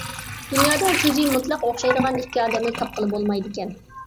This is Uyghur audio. دۇنيادا كۆزى مۇتلەق ئوخشايدىغان ئىككى ئادەمنى تاپقىلى بولمايدىكەن.